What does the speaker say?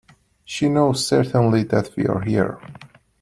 She knows certainly that we are here.